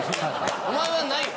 お前はないよ。